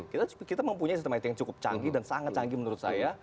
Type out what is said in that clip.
kita mempunyai sistematik yang cukup canggih dan sangat canggih menurut saya